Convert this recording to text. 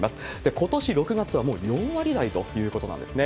ことし６月はもう４割台ということなんですね。